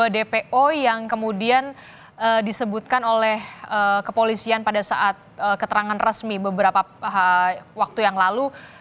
dpo yang kemudian disebutkan oleh kepolisian pada saat keterangan resmi beberapa waktu yang lalu